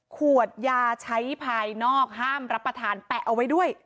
ขวดยาใช้ภายนอกห้ามรับประทานแปะเอาไว้ด้วย